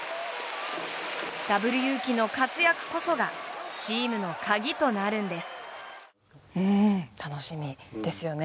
ダブルユウキの活躍こそがチームの鍵となるんです。